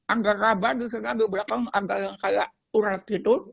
angka ramban disana di belakang antara yang kayak urat gitu